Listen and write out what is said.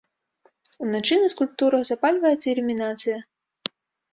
Уначы на скульптурах запальваецца ілюмінацыя.